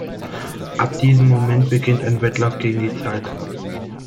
Ab diesem Moment beginnt ein Wettlauf gegen die Zeit.